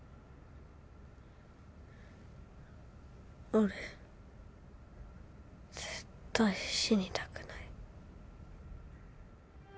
俺絶対死にたくない。